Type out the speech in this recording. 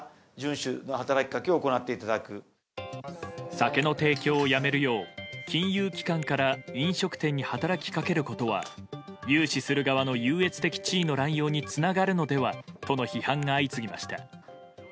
酒の提供をやめるよう金融機関から飲食店に働きかけることは融資する側の優越的地位の乱用につながるのではとの批判が相次ぎました。